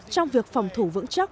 trong việc phòng thủ vững chắc